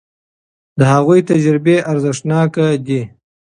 د هغوی تجربې ارزښتناکه دي.